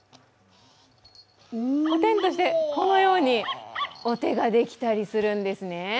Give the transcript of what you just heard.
このようにお手ができたりするんですね。